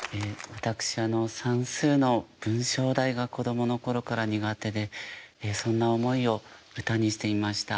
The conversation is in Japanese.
私あの算数の文章題が子供の頃から苦手でそんな思いを歌にしてみました。